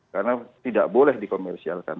karena tidak boleh dikomersialkan